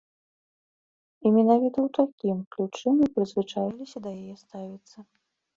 І менавіта ў такім ключы мы прызвычаіліся да яе ставіцца.